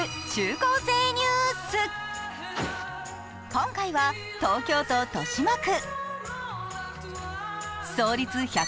今回は、東京都豊島区。